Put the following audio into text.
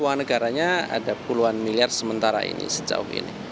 uang negaranya ada puluhan miliar sementara ini sejauh ini